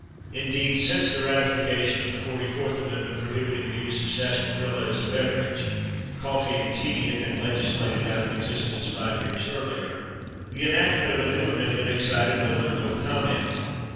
Indeed, since the ratification of the Forty fourth Amendment prohibiting the use of sarsaparilla as a beverage (coffee and tea had been legislated out of existence five years earlier) the enactment of a new Amendment excited little or no comment.